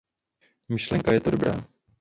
Myšlenka je to dobrá.